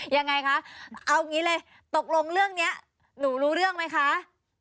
ยังไงคะเอาอย่างนี้เลยตกลงเรื่องนี้หนูรู้เรื่องไหมคะ